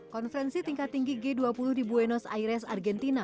konferensi tingkat tinggi g dua puluh di buenos aires argentina